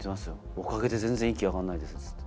「おかげで全然息上がんないです」って。